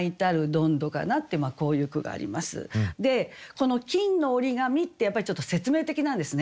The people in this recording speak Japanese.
この「金の折紙」ってやっぱりちょっと説明的なんですね。